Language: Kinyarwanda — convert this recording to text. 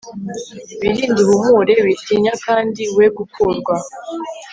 wirinde uhumure, witinya kandi we gukurwa